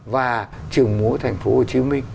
và trường múa thành phố hồ chí minh